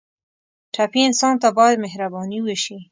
ټپي انسان ته باید مهرباني وشي.